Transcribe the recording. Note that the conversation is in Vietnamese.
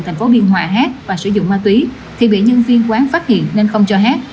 thành phố biên hòa hát và sử dụng ma túy thì bị nhân viên quán phát hiện nên không cho hát